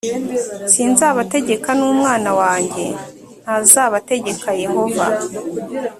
sinzabategeka n umwana wanjye ntazabategeka yehova